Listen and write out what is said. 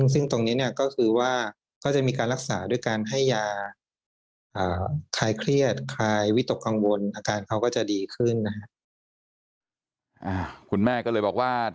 ซึ่งตรงนี้เนี่ยก็คือว่าก็จะมีการรักษาด้วยการให้ยา